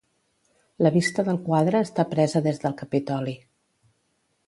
La vista del quadre està presa des del Capitoli.